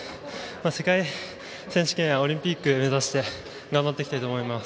世界選手権やオリンピック目指し頑張っていきたいと思います。